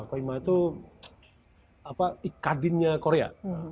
koima itu ikadinnya korea